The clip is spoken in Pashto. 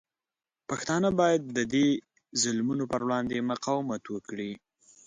پښتانه باید د دې ظلمونو پر وړاندې مقاومت وکړي.